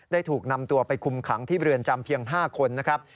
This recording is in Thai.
ถูกนำตัวไปคุมขังที่เรือนจำเพียง๕คนนะครับ